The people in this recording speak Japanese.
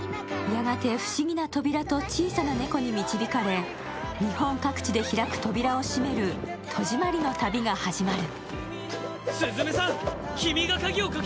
やがて不思議な扉と小さな猫に導かれ日本各地で開く扉を閉める戸締まりの旅が始まる。